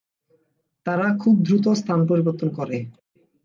তারা খুব দ্রুত স্থান পরিবর্তন করে।